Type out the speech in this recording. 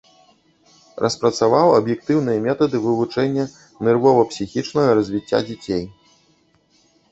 Распрацаваў аб'ектыўныя метады вывучэння нервова-псіхічнага развіцця дзяцей.